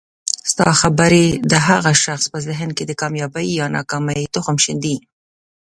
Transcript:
ستا خبري د هغه شخص په ذهن کي د کامیابۍ یا ناکامۍ تخم ښیندي